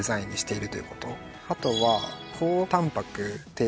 あとは。